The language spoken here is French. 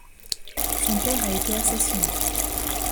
Son père a été assassiné.